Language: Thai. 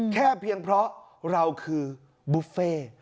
เพียงเพราะเราคือบุฟเฟ่